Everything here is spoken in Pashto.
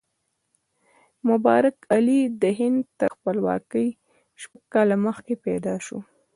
مبارک علي د هند تر خپلواکۍ شپږ کاله مخکې پیدا شو.